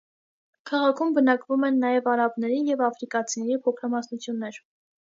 Քաղաքում բնակվում են նաև արաբների և աֆրիկացիների փոքրամասնություններ։